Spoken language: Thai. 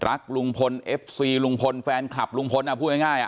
รักลุงพลเอฟซีลุงพลแฟนคลับลุงพลพูดง่าย